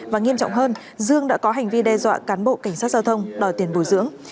và nghiêm trọng hơn dương đã có hành vi đe dọa cán bộ cảnh sát giao thông đòi tiền bồi dưỡng